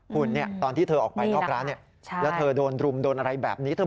คุณตอนที่เธอออกไปนอกร้านแล้วเธอโดนรุมโดนอะไรแบบนี้